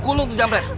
gue kulung tuh jambret